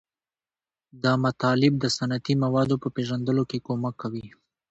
دا مطالب د صنعتي موادو په پیژندلو کې کومک کوي.